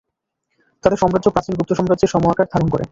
তাদের সাম্রাজ্য প্রাচীন গুপ্ত সাম্রাজ্যের সম আকার ধারণ করে।